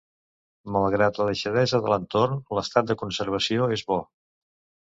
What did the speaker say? Malgrat la deixadesa de l'entorn, l'estat de conservació és bo.